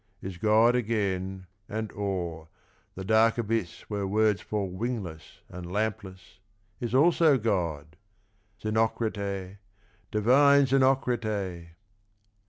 Is God again, and awe, the dark abyss Where words fall wingless and lampless, is also God 1 Xenocrate, divine Xenocrate